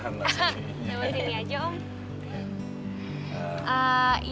ya boleh gini aja om